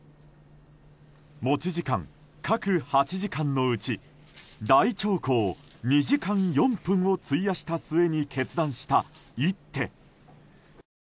持ち時間各８時間のうち大長考２時間４分を費やした末に決断した一手。